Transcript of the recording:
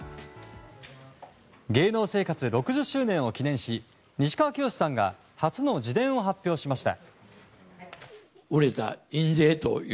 芸能生活６０周年を記念し西川きよしさんが初の自伝を発表しました。